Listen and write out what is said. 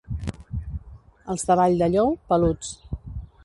Els de Valldellou, peluts.